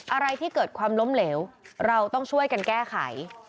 อะไรที่เกิดความล้มเหลวเราต้องช่วยกันแก้ไข